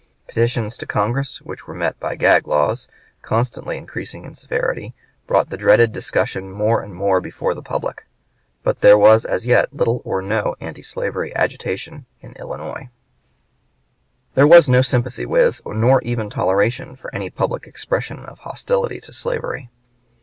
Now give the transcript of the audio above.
Petitions to Congress, which were met by gag laws, constantly increasing in severity, brought the dreaded discussion more and more before the public. But there was as yet little or no antislavery agitation in Illinois. [Sidenote: Jan 25, 1837.] There was no sympathy with nor even toleration for any public expression of hostility to slavery.